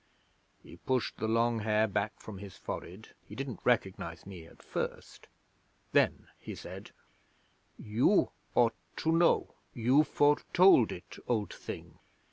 'He pushed the long hair back from his forehead (he didn't recognize me at first). Then he said: "You ought to know. You foretold it, Old Thing.